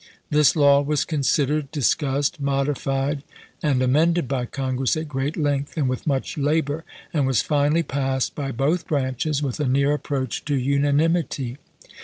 This law was considered, discussed, modified, and amended by Congress at great length, and with much labor ; and was finally passed, by both branches, with a near approach to unanimity.